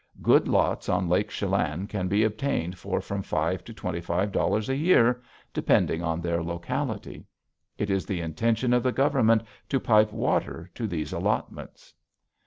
Good lots on Lake Chelan can be obtained for from five to twenty five dollars a year, depending on their locality. It is the intention of the Government to pipe water to these allotments.